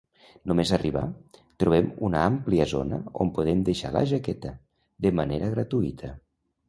Només arribar, trobem una àmplia zona on podem deixar la jaqueta, de manera gratuïta.